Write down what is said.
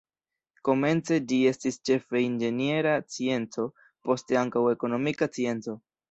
Komence ĝi estis ĉefe inĝeniera scienco, poste ankaŭ ekonomika scienco.